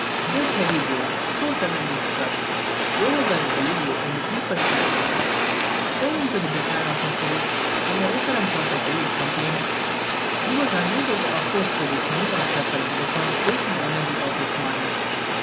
This heavy blow, so suddenly struck, overwhelmed Galileo in the deepest agony. Owing to the decline of his health, and the recurrence of his old complaints, he was unable to oppose to this mental suffering the constitutional energy of his mind.